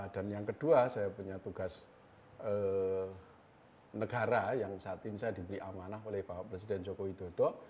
dan yang kedua saya punya tugas negara yang saat ini saya diberi amanah oleh pak presiden joko widodo